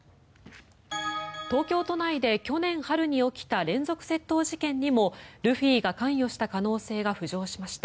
東京都内で去年春に起きた連続窃盗事件にもルフィが関与した可能性が浮上しました。